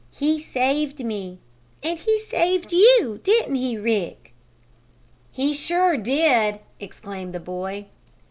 He saved me and he saved you; didn't he, Rick?" "He sure did!" exclaimed the boy.